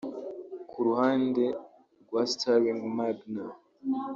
Ku ruhande rwa Sterling Magnell